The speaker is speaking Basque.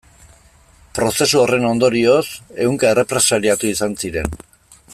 Prozesu horren ondorioz, ehunka errepresaliatu izan ziren.